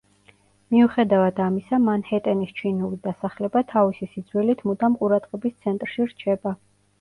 მიუხედავად ამისა, მანჰეტენის ჩინური დასახლება, თავისი სიძველით მუდამ ყურადღების ცენტრში რჩება.